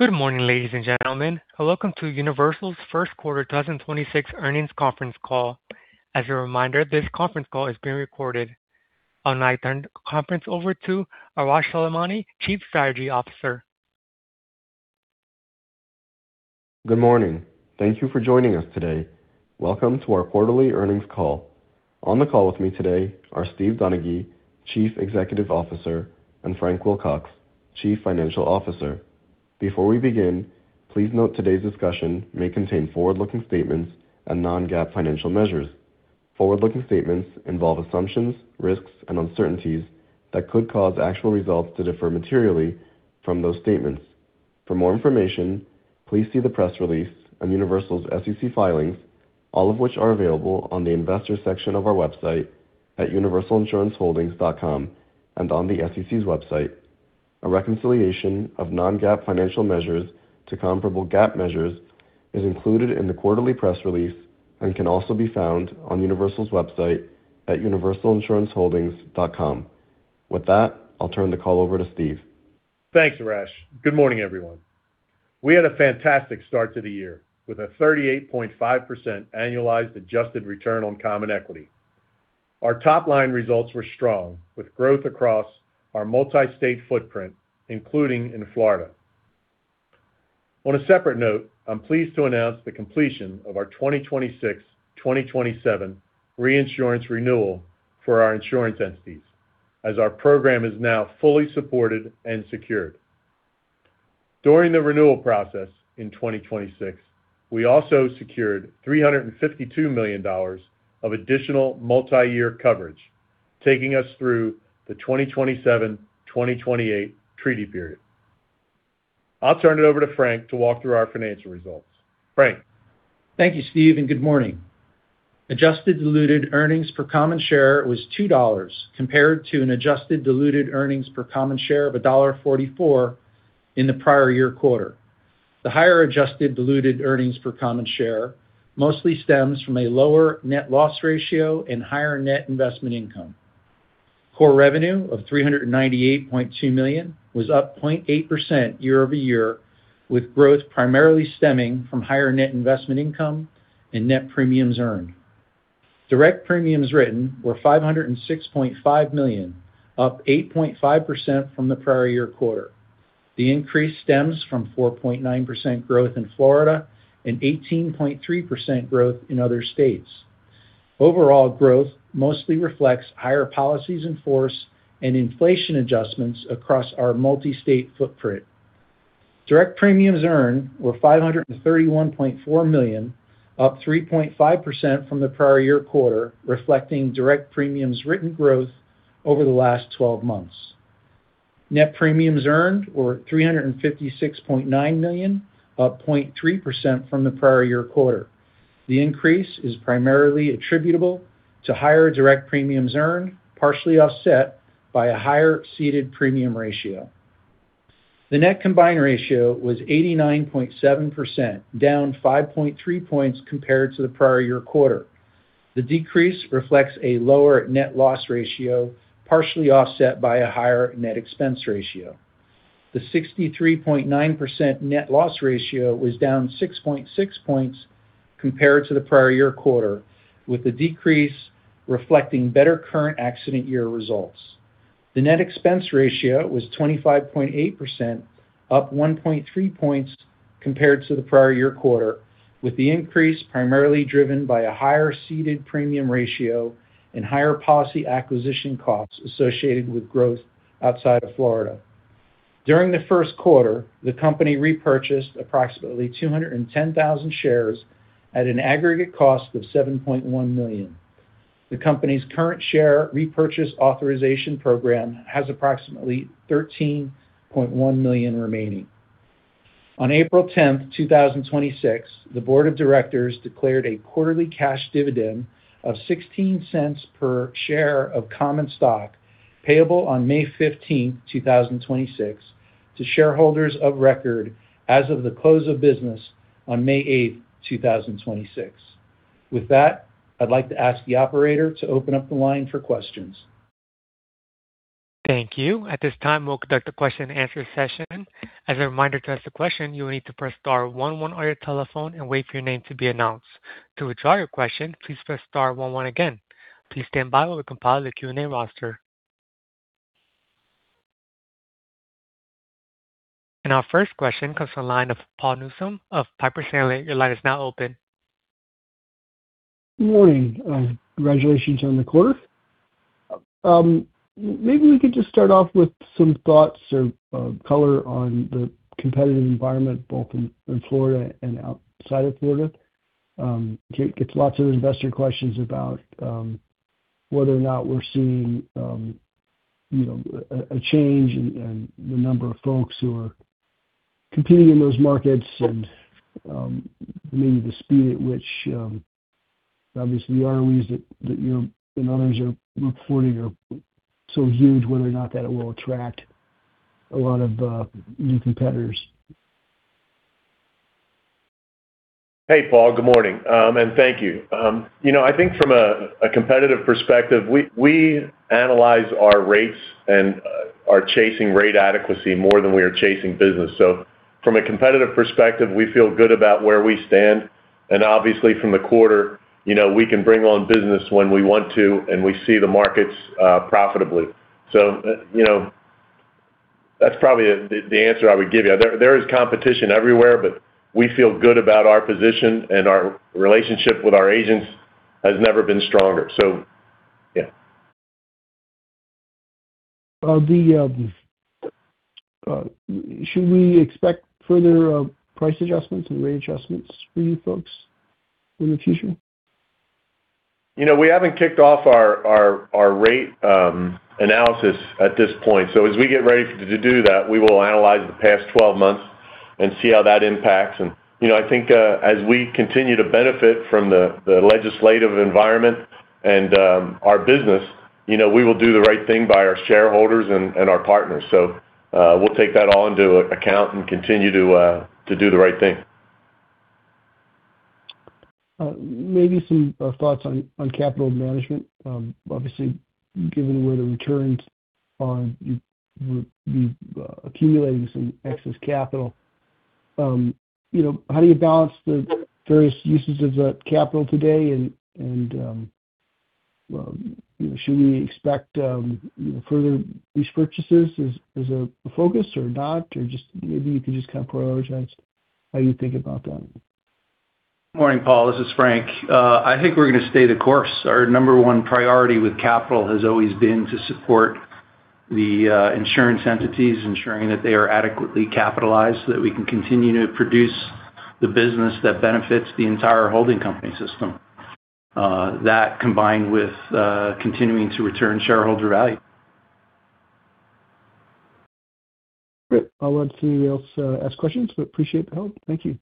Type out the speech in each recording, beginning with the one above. Good morning, ladies and gentlemen. Welcome to Universal's Q1 2026 earnings conference call. As a reminder, this conference call is being recorded. I'll now turn the conference over to Arash Soleimani, Chief Strategy Officer. Good morning. Thank you for joining us today. Welcome to our quarterly earnings call. On the call with me today are Steve Donaghy, Chief Executive Officer, and Frank Wilcox, Chief Financial Officer. Before we begin, please note today's discussion may contain forward-looking statements and non-GAAP financial measures. Forward-looking statements involve assumptions, risks, and uncertainties that could cause actual results to differ materially from those statements. For more information, please see the press release on Universal's SEC filings, all of which are available on the investors section of our website at universalinsuranceholdings.com and on the SEC's website. A reconciliation of non-GAAP financial measures to comparable GAAP measures is included in the quarterly press release and can also be found on Universal's website at universalinsuranceholdings.com. With that, I'll turn the call over to Steve. Thanks, Arash. Good morning, everyone. We had a fantastic start to the year with a 38.5% annualized adjusted return on common equity. Our top-line results were strong with growth across our multi-state footprint, including in Florida. On a separate note, I'm pleased to announce the completion of our 2026-2027 reinsurance renewal for our insurance entities, as our program is now fully supported and secured. During the renewal process in 2026, we also secured $352 million of additional multi-year coverage, taking us through the 2027-2028 treaty period. I'll turn it over to Frank to walk through our financial results. Frank? Thank you, Steve, and good morning. Adjusted diluted earnings per common share was $2.00, compared to an adjusted diluted earnings per common share of $1.44 in the prior year quarter. The higher adjusted diluted earnings per common share mostly stems from a lower net loss ratio and higher net investment income. Core revenue of $398.2 million was up 0.8% year-over-year, with growth primarily stemming from higher net investment income and net premiums earned. Direct premiums written were $506.5 million, up 8.5% from the prior year quarter. The increase stems from 4.9% growth in Florida and 18.3% growth in other states. Overall growth mostly reflects higher policies in force and inflation adjustments across our multi-state footprint. Direct premiums earned were $531.4 million, up 3.5% from the prior year quarter, reflecting direct premiums written growth over the last 12 months. Net premiums earned were $356.9 million, up 0.3% from the prior year quarter. The increase is primarily attributable to higher direct premiums earned, partially offset by a higher ceded premium ratio. The net combined ratio was 89.7%, down 5.3 points compared to the prior year quarter. The decrease reflects a lower net loss ratio, partially offset by a higher net expense ratio. The 63.9% net loss ratio was down 6.6 points compared to the prior year quarter, with the decrease reflecting better current accident year results. The net expense ratio was 25.8%, up 1.3 points compared to the prior year quarter, with the increase primarily driven by a higher ceded premium ratio and higher policy acquisition costs associated with growth outside of Florida. During the Q1, the company repurchased approximately 210,000 shares at an aggregate cost of $7.1 million. The company's current share repurchase authorization program has approximately $13.1 million remaining. On April 10th, 2026, the Board of Directors declared a quarterly cash dividend of $0.16 per share of common stock, payable on May 15th, 2026, to shareholders of record as of the close of business on May 8th, 2026. With that, I'd like to ask the operator to open up the line for questions. Thank you. At this time, we'll conduct a question and answer session. As a reminder, to ask a question, you will need to press star one one on your telephone and wait for your name to be announced. To withdraw your question, please press star one one again. Please stand by while we compile the Q&A roster. Our first question comes from the line of Paul Newsome of Piper Sandler. Your line is now open. Good morning. Congratulations on the quarter. Maybe we could just start off with some thoughts or color on the competitive environment, both in Florida and outside of Florida. Get lots of investor questions about whether or not we're seeing a change in the number of folks who are competing in those markets and maybe the speed at which, obviously, the ROEs that you and others are reporting are so huge, whether or not that will attract a lot of new competitors. Hey Paul, good morning, and thank you. I think from a competitive perspective, we analyze our rates and are chasing rate adequacy more than we are chasing business. From a competitive perspective, we feel good about where we stand. Obviously from the quarter, we can bring on business when we want to, and we see the markets profitably. That's probably the answer I would give you. There is competition everywhere, but we feel good about our position, and our relationship with our agents has never been stronger. Yeah. Should we expect further price adjustments and rate adjustments for you folks in the future? We haven't kicked off our rate analysis at this point. As we get ready to do that, we will analyze the past 12 months and see how that impacts. I think, as we continue to benefit from the legislative environment and our business, we will do the right thing by our shareholders and our partners. We'll take that all into account and continue to do the right thing. Maybe some thoughts on capital management. Obviously, given where the returns are, you would be accumulating some excess capital. How do you balance the various uses of that capital today, and should we expect further repurchases as a focus or not? Maybe you could just prioritize how you think about that. Morning, Paul, this is Frank. I think we're going to stay the course. Our number one priority with capital has always been to support the insurance entities, ensuring that they are adequately capitalized so that we can continue to produce the business that benefits the entire holding company system. That combined with continuing to return shareholder value. Great. I'll let somebody else ask questions, but I appreciate the help. Thank you.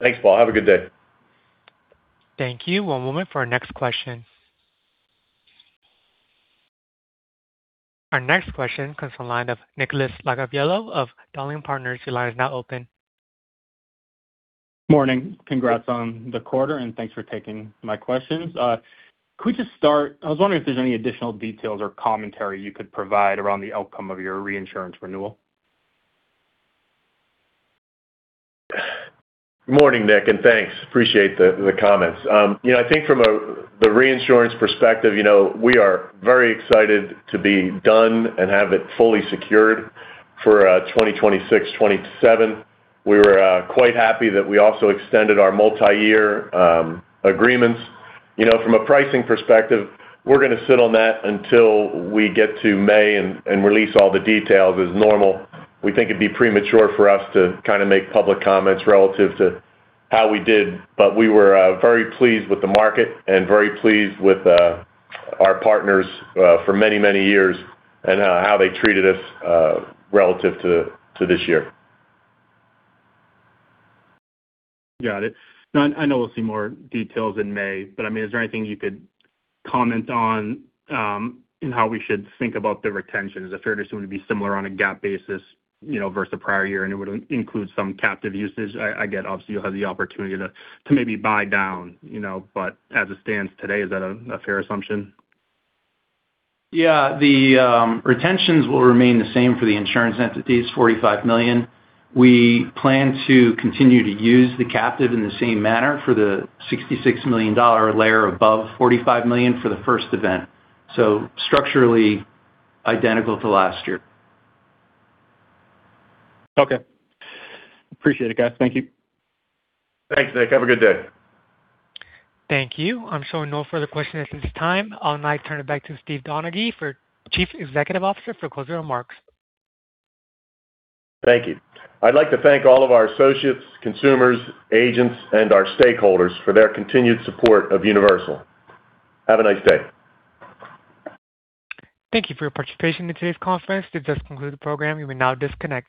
Thanks, Paul. Have a good day. Thank you. One moment for our next question. Our next question comes from the line of Nicolas Iacoviello of Dowling & Partners. Your line is now open. Morning. Congrats on the quarter, and thanks for taking my questions. Could we just start? I was wondering if there's any additional details or commentary you could provide around the outcome of your reinsurance renewal? Morning, Nick, and thanks. Appreciate the comments. I think from the reinsurance perspective, we are very excited to be done and have it fully secured for 2026-2027. We were quite happy that we also extended our multi-year agreements. From a pricing perspective, we're going to sit on that until we get to May and release all the details as normal. We think it'd be premature for us to make public comments relative to how we did. We were very pleased with the market and very pleased with our partners for many, many years and how they treated us relative to this year. Got it. Now, I know we'll see more details in May, but is there anything you could comment on in how we should think about the retention? Is it fair to assume it'd be similar on a GAAP basis, versus the prior year, and it would include some captive usage? I get obviously you'll have the opportunity to maybe buy down, but as it stands today, is that a fair assumption? Yeah. The retentions will remain the same for the insurance entities, $45 million. We plan to continue to use the captive in the same manner for the $66 million layer above $45 million for the first event. So structurally identical to last year. Okay. Appreciate it, guys. Thank you. Thanks, Nick. Have a good day. Thank you. I'm showing no further questions at this time. I'd now like to turn it back to Steve Donaghy, Chief Executive Officer, for closing remarks. Thank you. I'd like to thank all of our associates, consumers, agents, and our stakeholders for their continued support of Universal. Have a nice day. Thank you for your participation in today's conference. This does conclude the program. You may now disconnect.